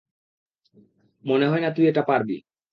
মনে হয় না তুই এটা পারবি।